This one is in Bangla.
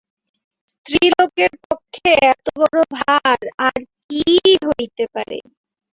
স্ত্রীলোকের পক্ষে এতবড়ো ভার আর কী হইতে পারে!